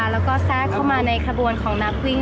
แล้วก็แทรกเข้ามาในขบวนของนักวิ่ง